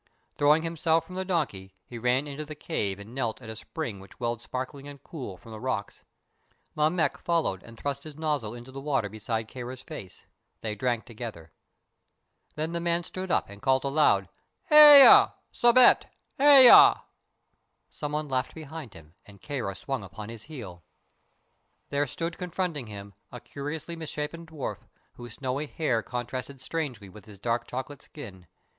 Throwing himself from the donkey, he ran into the cave and knelt at a spring which welled sparkling and cool from the rocks. Mammek followed and thrust his nozzle into the water beside Kāra's face. They drank together. Then the man stood up and called aloud: "Hi yah, Sebbet; hi yah!" Someone laughed behind him, and Kāra swung upon his heel. There stood confronting him a curiously misshapen dwarf, whose snowy hair contrasted strangely with his dark chocolate skin.